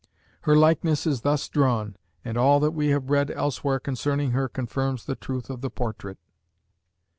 Her likeness is thus drawn, and all that we have read elsewhere concerning her confirms the truth of the portrait.